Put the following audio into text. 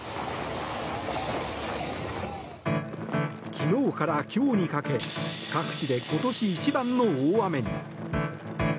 昨日から今日にかけ各地で今年一番の大雨に。